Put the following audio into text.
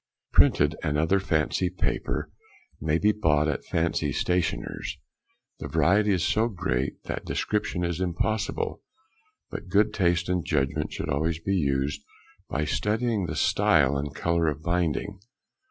Printed and other Fancy Paper may be bought at fancy stationers; the variety is so great that description is impossible, but good taste and judgment should always be used by studying the style and colour of binding.